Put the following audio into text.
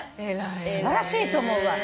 素晴らしいと思うわ。